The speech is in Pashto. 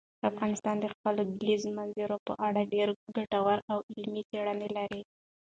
افغانستان د خپلو کلیزو منظره په اړه ډېرې ګټورې او علمي څېړنې لري.